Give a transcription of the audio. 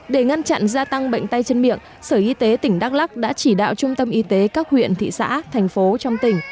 để ngăn chặn gia tăng bệnh tay chân miệng sở y tế tỉnh đắk lắc đã chỉ đạo trung tâm y tế các huyện thị xã thành phố trong tỉnh